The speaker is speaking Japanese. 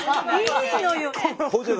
いいのよ！